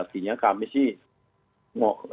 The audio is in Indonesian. artinya kami sih